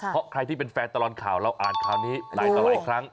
เพราะใครที่เป็นแฟนตลอดข่าวเราอ่านข่าวนี้หลายต่อหลายครั้ง